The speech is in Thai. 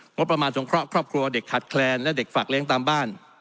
งบประมาณสงเคราะห์ครอบครัวเด็กขาดแคลนและเด็กฝากเลี้ยงตามบ้าน